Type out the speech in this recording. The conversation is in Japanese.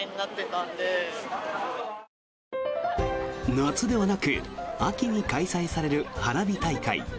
夏ではなく秋に開催される花火大会。